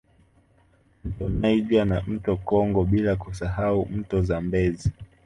Mto Niger na mto Congo bila kusahau mto Zambezi